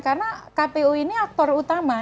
karena kpu ini aktor utama